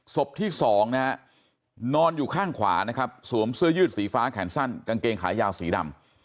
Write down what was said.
ศพที่๒นะฮะนอนอยู่ข้างขวานะครับสวมเสื้อยืดสีฟ้าแขนสั้นกางเกงขายาวสีดำ